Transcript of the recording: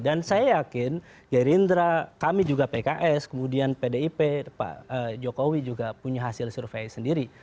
dan saya yakin gerindra kami juga pks kemudian pdip pak jokowi juga punya hasil survei sendiri